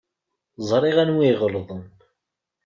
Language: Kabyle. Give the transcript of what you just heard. Ẓriɣ anwa iɣelḍen.